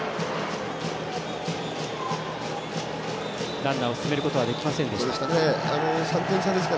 ランナーを進めることはできませんでした。